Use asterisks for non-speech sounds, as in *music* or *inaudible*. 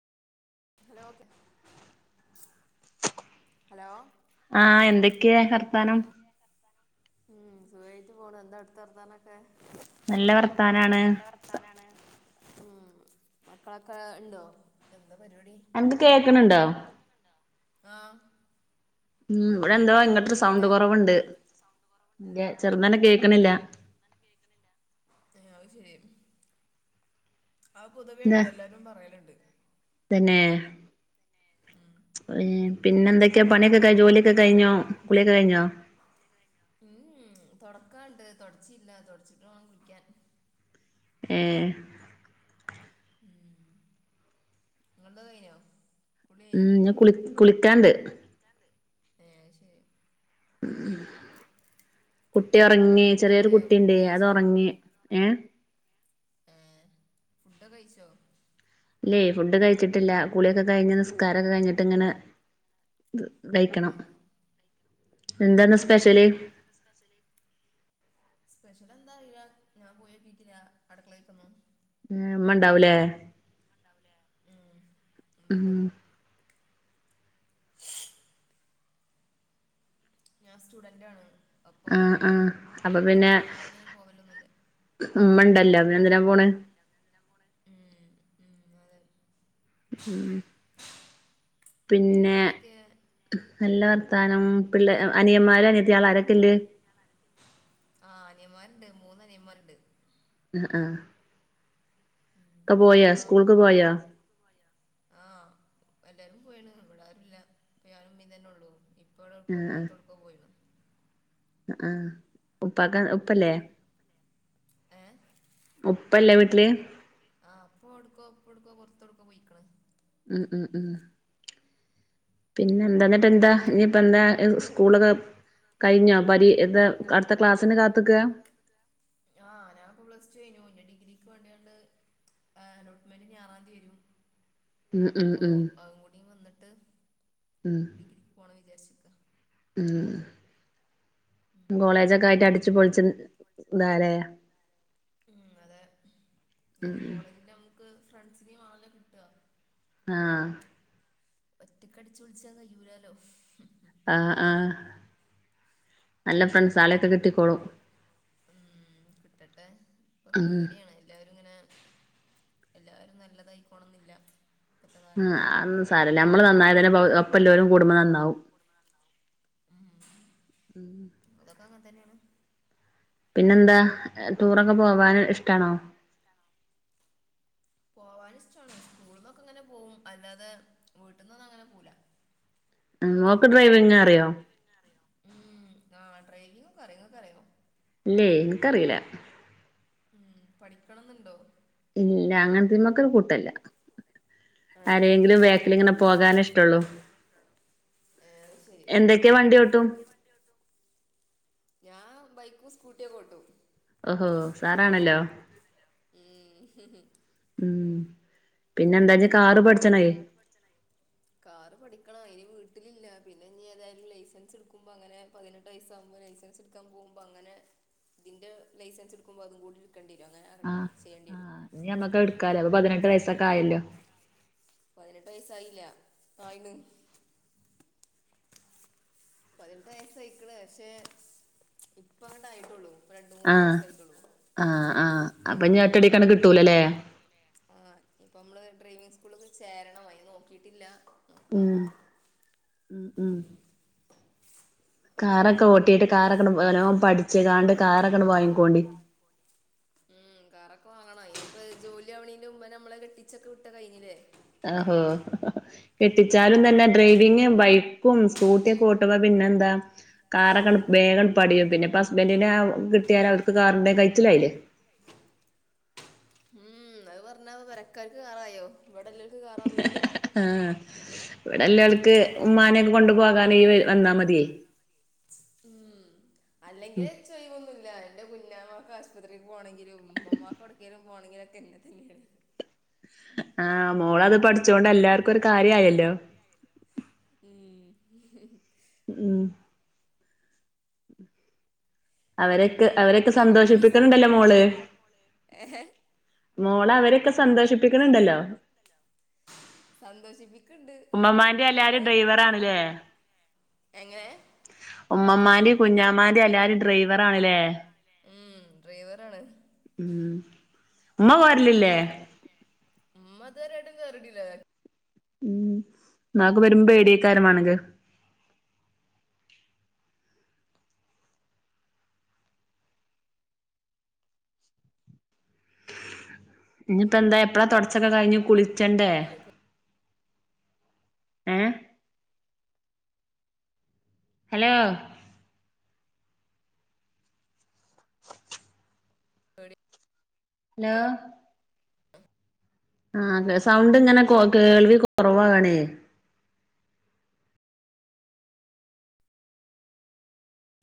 Hello okay hello ആഹ് എന്തൊക്കെയാ വർത്താനം? വർത്താനം ഉം സുഖായിട്ട് പോണു എന്താ അവിട്ത്തെ വർത്താനം? നല്ല *unintelligible* വർത്താനാണ് നല്ല വർത്ത ത്താനാണ് ഉം മക്കളൊക്കെ ഉണ്ടോ എന്താ പരിപാടി? അണക്ക് കേക്കണുണ്ടോ? കേക്കണണ്ടോ? ആ ഉം ഇവിടെ എന്തോ ഇങ്ങോട്ടരു എടേക്കില്ല സൗണ്ട് കുറവുണ്ട് ചെറുന്നനെ കേൾക്കണില്ല അത് ശരി ആ എന്താ പൊതുവേുണ്ട് എല്ലാരും പറയലുണ്ട് പിന്നെ ഉം ഉം പിന്നെന്തക്കെയാ പണിയൊക്കെ ക ജോലിയൊക്കെ കഴിഞ്ഞോ കുളിയൊക്കെ കഴിഞ്ഞോ? കുളിയൊക്കെ കഴിഞ്ഞോ? ഉം തുടക്കാണ്ട് തുടച്ചിയില്ല തുടച്ചിട്ട് വേണം കുളിക്കാൻ. ഏഹ് ഉം ഇങ്ങൾടെ കയിഞ്ഞോ? ഉം ഞ കുളി കുളിക്കാണ്ട് ക്കാണ്ട് ഏ അയ്ശെരി കുട്ടി എന്താ ഉറങ്ങി ഫുഡൊക്കെ ചെറിയൊരു ആയോ ഫുഡ് കുട്ടിണ്ട് അത് കഴിച്ചോ ഉറങ്ങി ഏഹ് ഏഹ് ഫുഡ് ഒക്കെ കഴിച്ചോ? ലേ ഫുഡ് കഴിച്ചിട്ടില്ല കുളിയൊക്കെഴിഞ് നിസ്കാരൊക്കെ കഴിഞ്ഞിട്ട് ഇങ്ങനെ വൈക്കാം ആ സ്പെഷ്യല് എന്തന്ന് സ്പെശല് സ്പെഷ്യൽ എന്താ വ്യ ഞാൻ പോയൊക്കട്ടില്ല അടക്കളയിക്കന്നു മ്മ ഉണ്ടാവലേ ണ്ടാവലേ ഉം ഞാൻ സ്റ്റുഡന്റ് ആണ് അപ്പം ആഹ് ആഹ് അപ്പൊ പിന്നെ ഞാ അങ്ങനെ പോവലൊന്നുല്ല ഉമ്മ ഉണ്ടല്ലോ അനെ എന്തിന പോണ് ഉം ഉം അതെ പിന്നെ എന്തൊക്കെയാ നല്ല വർത്താനം പിള്ള അനിയമാര് അനിയത്തിയാൾ ആാരൊക്കെ ഇല്ലേ ആ അനിയന്മാരുണ്ട് മൂന്ന അനിയന്മാരുണ്ട് ഉം ആ ഉം നിങ്ങക്കോ സ്കൂൾക്ക് പോയോ ആ എല്ലാരും പോയിണ് ബ ട ആരും ല്ല ഇപ്പ ഞാനുംമ്മീ തന്നെ ഉള്ളൂ ഇപ്പോഴടുക്കോ പുറത്തടുക്കോ പോയിണ് അ ആഹ്. ഉപ്പാക്ക ഉം ഉപ്പല്ലേ? ഉപ്പല്ലെ വീട്ടില്? ആഹ്. ഉപ്പോട്ക്കോ ഉപ്പോട്ക്കോ പെർത്തൊട്ക്കോ പോയിക്ക്ണ്. ഉം ഉം ഉം പിന്നെ എന്താ? ന്നട്ട് എന്താ? ഇഞ്ഞിപ്പ എന്താ? സ്കൂളൊക്കെ കഴിഞ്ഞോ. പരി കഴിഞ്ഞൊ. ഇത് പരീ അടുത്ത ന്താ ക്ലാസ്സിന് അട്ത്ത കാത്ത്ക്കാ ക്ലാസിന് കാത്ത്ക്കാ. ആഹ്. ഞാൻപ്പൊ പ്ലസ്ടു കയിഞ്ഞു. ഇഞ്ഞി ഡിഗ്രിക്ക് വാണ്ടിയാണ്ട് ആഹ്. അലോട്ട്മെൻൻ്റ് ഇഞ്ഞി ആറാംതി വരും. ഉം ഉം അപ്പൊ ഉം അഉം കൂടിം വന്ന്ട്ട് ഡിഗ്രിക്ക് പോണം വിചാര്ച്ചിക്ക. മ്. മ്. കോളേജൊക്കായിട്ട് അടിച്ച് പൊളിച്ച് ൻ താലേ മ് അതെ. ഏ ഉം കോളേജിലൊ ക്ക് ഫ്രണ്ട്സിനേയും ആ ല്ലൊ കിട്ടാ. ആഹ്. ഒറ്റക്കടിച്ച്പൊൾച്ചാ കയ്യൂലാലോ. ആഹ് ആഹ് നല്ല ഫ്രണ്ട്സ് നല്ല ഫ്രസാളൊക്കെ കിട്ടിക്കോളും. ഉം. കിട്ടട്ടെ. പ്പൊ ഉം പേടിയാണ്. എല്ലാരുങ്ങനെ എല്ലാരും നല്ലതായിക്കോണന്നില്ല. ഉം. അന്നും സാരല്ല. അമ്മള് നന്നായാ തന്നെ പൊ ഒപ്പല്ലോലും കൂടുമ്പൊ നന്നാവും. മ്. അതൊക്കെ അങ്ങൻ തന്നേണ്. പിന്നെന്താ. ടൂറൊക്കെ പോവാന് ഇഷ്ടാണോ? ഇഷ്ടാണോ? പോവാന് ഇഷ്ടാണ്. സ്കൂൾന്നൊക്കെങ്ങനെ പോവും. അല്ലാതെ വീട്ടന്നൊന്നും അങ്ങനെ പോല്ല. *inaudible* ആഹ്. മോക്ക് ഡ്രൈവിങ് അറിയോ? മ്. ആ ഡ്രൈവിങ്ങൊക്കെ അറിയ. ങ്ങക്കറിയൊ? ഇല്ലേ. ഇൻക്കറീല. മ്. പഠിക്കണെന്ന്ണ്ടോ? ഇല്ല. അങ്ങൻത്ത്മക്കൊര് കൂട്ടല്ല. ആരേങ്കിലും വേക്ക്ല്ങ്ങനെ പോകാന് ഇഷ്ടള്ളു. ഏ. ശരി. എന്തക്കെ വണ്ടി ഒട്ടും? ഞാ ബൈക്കും, സ്കൂട്ടിയൊക്കെ ഓട്ടും. ഒഹോ. സ്സാറാണല്ലോ? ഉം ഹ്ഹ് ഉം. പിന്നെന്താ കാറ് പിന്നെന്താ ജ് പഠിച്ചണേ കാറും പഠിച്ചനേ. കാറ് പഠിക്കണ. അയിന് വീട്ടിലില്ല. പിന്നെ ഞ്ഞി ഏതായാലും ലൈസൻസ് ഇട്ക്കുമ്പ അങ്ങനെ പതിനെട്ടൈസാകുമ്പൊ ലൈസൻസ് ഇട്ക്കാൻ പോവുമ്പ അങ്ങനെ തിന്റെ ലൈസൻസ് ഇട്ക്കുമ്പൊ അതും കൂടി എട്ക്കേണ്ടിഅരും. അങ്ങനെ *unintelligible* ആഹ് ചെയ്യേണ്ടി അരും. ആഹ് ഇനി നമ്മുക്ക് എടുക്കാലോ അ പതിനട്ട് വയസൊക്കെ ആയല്ലോ പതിനെട്ട് വയസ്സായില്ല. ആയിണ്. പതിനെട്ട് വയസ്സായിക്ക്ണ്. ക്ഷെ ഇപ്പ ആണ്ടായിട്ടുള്ളൂ പെണ്ണ്ങ്ങൊ ആ ആഹ് സ്സാ *unintelligible* ക്കും. മ് ആഹ് ആഹ് അപ്പൊ ഇനി ഒറ്റടിക്കണ്ട് കിട്ടൂലല്ലേ ആഹ്. ഞ്ഞിപ്പം മ്മള് ഡ്രൈവിങ് സ്കൂള്ള് ചേരണം. അയ്ന് നോക്കിട്ടില്ല. നോക്കണം. ഉം ഉം. കാറൊക്കെ ഓട്ട് കാറൊക്കെ ഓട്ടിട്ട് കാറൊക്കെ നല്ലോ പഠിച്ച് കാറൊക്കെണ്ട് *inaudible* വാങ്ങിക്കോണ്ടി കാറൊക്കെ വാങ്ങിക്കോണ്ടി. ഉം. കാറൊക്കെ വാങ്ങണം. ഇ *inaudible* പ്പ ജോലി ആവ്‌ണേന് മുമ്പെന്നെ അമ്മളെ കെട്ടിച്ചൊക്കെ വിട്ടാ കഴഞ്ഞിലെ. ആഹോ കെട്ടിച്ചാലും തന്നെ ഡ്രൈവിങ് ബൈക്കും, സ്കൂട്ടിയൊക്കെ ഓട്ടുമ്പ പിന്നെന്താ? കാറൊക്കാണ്ട് വേഗണ്ട് പഠിയും. പിന്നെ പ്പ ഹസ്ബൻ്റിൻ്റെ ആ കട്ടിയാല് അവർക്ക് കാറ്ണ്ടേല് കയിച്ചിലായിലെ. ഉം അത് പറഞ്ഞ മരക്കാര്ക്ക് കാറായോ ഇവിടെല്ല അത് കാറാവൂല്ലല്ലോ ആഹ് ഇവിടെ എല്ല ആൾക്ക് ഉമ്മാനെയൊക്കെ കൊണ്ടു പോകാൻ ഈ വ വന്നാൽ മതിയേ ഉം അല്ലെങ്കിലേ ചെ ചെയ്യൊന്നുല്ല എന്റെ കുഞ്ഞാമാക്ക് ആശുപത്രിയിൽ പോകണെങ്കിലും ഉമ്മമാക്ക് എടക്കലും പോകണെങ്കിലിൽ ഒക്കെ എന്നെ തന്നെയാണ് ആഹ് മോളത് പഠി മോളത് പഠിച്ചോണ്ട് എല്ലാർക്കും ഒരു കാര്യയല്ലോ ഉം ഉം അവരെക്ക് കുഞ്ഞാമൊക്കെ അവരെക്കെ പെരും സാധന സന്തോഷിപ്പിക്കണണ്ടല്ലോ മോള് ഏഹ് മോളെ അവരെക്കെ സന്തോഷിപ്പിക്കണണ്ടല്ലോ സന്തോഷിപ്പിക്കണ്ട് ഉം ഉമ്മമാന്റെ എല്ലാരും അതെ ഡ്രൈവറാണ്ല്ലേ എങ്ങനെ ഉമ്മമാന്റിം ഉമ്മമ്മാന്റെ കുഞ്ഞാമാന്റിം എല്ലാരും കുഞ്ഞാമാന്റെ എല്ലാരേം ഡ്രൈവറാണ്ല്ലേ ഡ്രൈവറാണ ല്ലേ ഉം ഡ്രൈവറാണ് ഉം ഉമ്മ വരലില്ലേ വരലില്ലേ ഉമ്മ ഇതുവരെയായിട്ടും കേറീട്ടില്ല ബാ ഉം മ്മാക്ക് വരുമ്പോ പേടിയക്കാരമാണെങ്കി ഇഞ്ഞിപ്പോ എന്താ എപ്പഴാ തൊടച്ചൊക്കെ കഴിഞ്ഞ് കുളിച്ചണ്ടേ ഏഹ് ഹലോ ഹലോ ആഹ് സൗണ്ട് ഇങ്ങനെ കൊ കേൾവി കൊറവാണേ